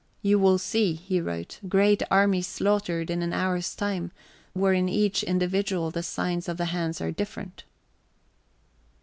"You will see," he wrote, "great armies slaughtered in an hour's time, where in each individual the signs of the hands are different."